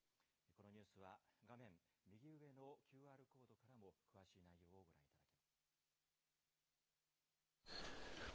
このニュースは、画面右上のＱＲコードからも詳しい内容をご覧いただけます。